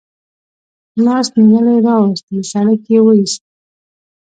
لاس نیولی راوست، له سړک یې و ایست.